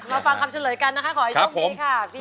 ฟังคำเฉลยกันนะคะขอให้โชคดีค่ะ